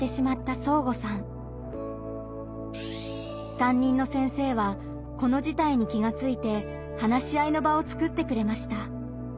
担任の先生はこの事態に気がついて話し合いの場を作ってくれました。